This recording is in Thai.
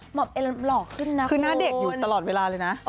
หล่อขึ้นนะคือหน้าเด็กอยู่ตลอดเวลาเลยนะ